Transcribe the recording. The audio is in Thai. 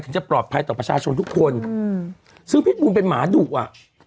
จะปลอดภัยต่อประชาชนทุกคนอืมซึ่งพิษบูลเป็นหมาดุอ่ะ